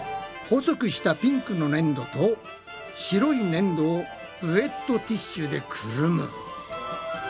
細くしたピンクのねんどと白いねんどをウエットティッシュでくるむ。